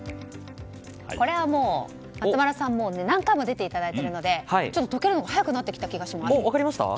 これはもう、松丸さんに何回も出ていただいているので解けるのが早くなってきた気がします。